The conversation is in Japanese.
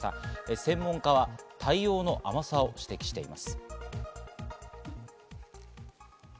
専門家は対応の甘さを指摘しています。